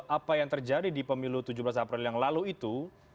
apa yang terjadi di pemilu tujuh belas april yang lalu itu